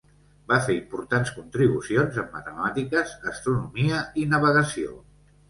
Va fer importants contribucions en matemàtiques, astronomia i navegació.